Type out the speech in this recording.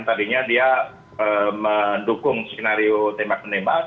tadinya dia mendukung skenario tembak menembak